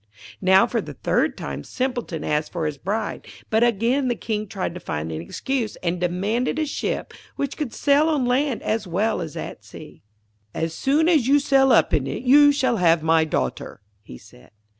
Now, for the third time, Simpleton asked for his bride. But again the King tried to find an excuse, and demanded a ship which could sail on land as well as at sea. 'As soon as you sail up in it, you shall have my daughter,' he said.